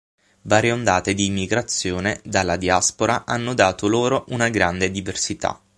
Varie ondate di immigrazione dalla diaspora hanno dato loro una grande diversità.